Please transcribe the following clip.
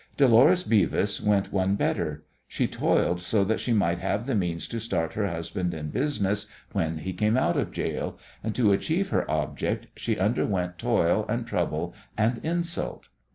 Dolores Beavis went one better. She toiled so that she might have the means to start her husband in business when he came out of gaol; and to achieve her object she underwent toil and trouble and insult.